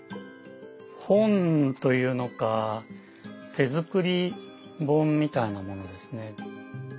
本というのか手作り本みたいなものですね。